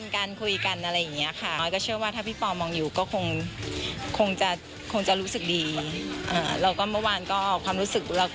ก็พยายามทำบุญให้เค้าเยอะ